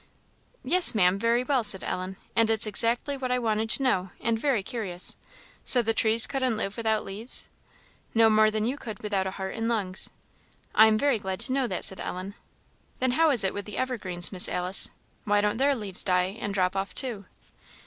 "Yes, Maam, very well," said Ellen; "and it's exactly what I wanted to know, and very curious. So the trees couldn't live without leaves?" "No more than you could without a heart and lungs." "I am very glad to know that," said Ellen. "Then how is it with the evergreens, Miss Alice? Why don't their leaves die and drop off too?"